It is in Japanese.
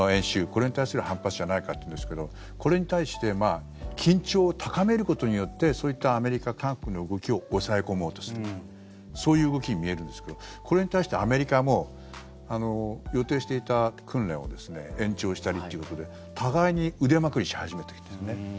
これに対する反発じゃないかというんですけどこれに対して緊張を高めることによってそういったアメリカ、韓国の動きを抑え込もうとするそういう動きに見えるんですけどこれに対してアメリカも予定していた訓練を延長したりっていうことで互いに腕まくりし始めているんですね。